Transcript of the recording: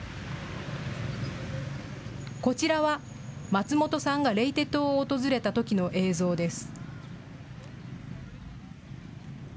こちらは、松本さんがレイテ島を訪れたときの映像です。